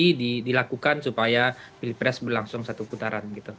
jadi dilakukan supaya pilpres berlangsung satu putaran gitu